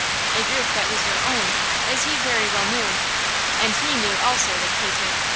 "A roof that was your own, as he very well knew. And he knew, also, the caitiff!